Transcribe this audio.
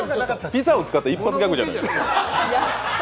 ピザを使った一発ギャグじゃない。